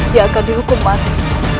dia akan dihukum mati